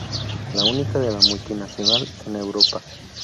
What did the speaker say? La única de la multinacional en Europa.